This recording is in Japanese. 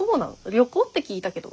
旅行って聞いたけど。